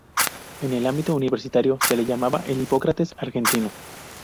En el ámbito universitario, se le llamaba el "Hipócrates argentino".